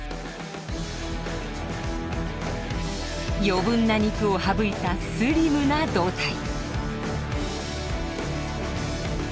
余分な肉を省いたスリムな胴体。